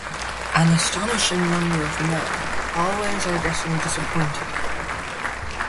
An astonishing number of men always are getting disappointed there.